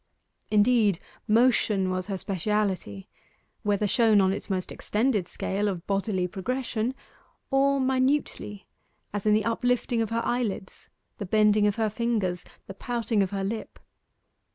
Indeed, motion was her speciality, whether shown on its most extended scale of bodily progression, or minutely, as in the uplifting of her eyelids, the bending of her fingers, the pouting of her lip.